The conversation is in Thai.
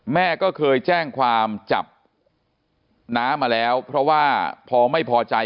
แม่ก็เคยแจ้งความจับน้ามาแล้วเพราะว่าพอไม่พอใจ